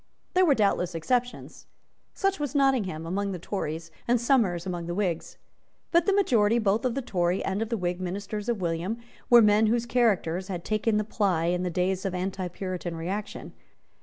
There were doubtless exceptions. Such was Nottingham among the Tories, and Somers among the Whigs. But the majority, both of the Tory and of the Whig ministers of William, were men whose characters had taken the ply in the days of the Antipuritan reaction.